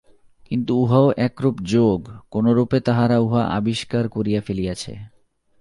কিন্তু উহাও একরূপ যোগ, কোনরূপে তাহারা উহা আবিষ্কার করিয়া ফেলিয়াছে।